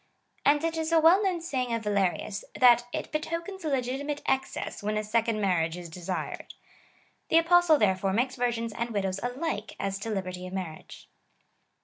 And it is a well known saying of Valerius,^ that " it betokens a legiti mate excess^ when a second marriage is desired." The Apostle, therefore, makes virgins and widows alike as to liberty of marriage.